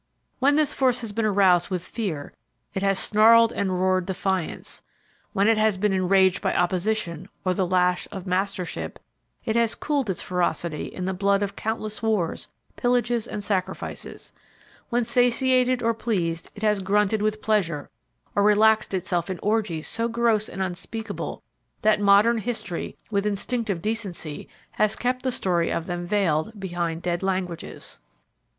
When this force has been aroused with fear it has snarled and roared defiance; when it has been enraged by opposition or the lash of mastership it has cooled its ferocity in the blood of countless wars, pillages and sacrifices; when satiated or pleased it has grunted with pleasure or relaxed itself in orgies so gross and unspeakable that modern history, with instinctive decency, has kept the story of them veiled behind dead languages.